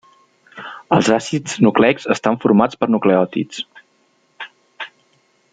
Els àcids nucleics estan formats per nucleòtids.